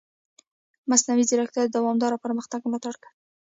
مصنوعي ځیرکتیا د دوامدار پرمختګ ملاتړ کوي.